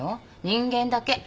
人間だけ。